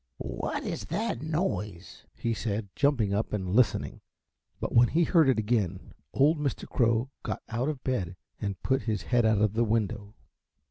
"What is that noise?" he said, jumping up and listening; but when he heard it again old Mr. Crow got out of bed and put his head out of the window.